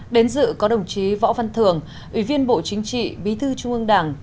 đến dự có đồng chí võ văn thường ủy viên bộ chính trị bí thư trung ương đảng